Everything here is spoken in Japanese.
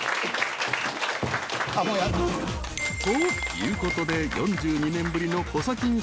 ［ということで４２年ぶりのコサキン］